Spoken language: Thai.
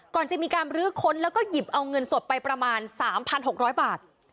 ก่อนจะมีการบรื้อค้นแล้วก็หยิบเอาเงินสดไปประมาณ๓๖๐๐บาท